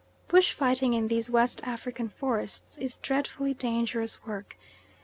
Bush fighting in these West African forests is dreadfully dangerous work.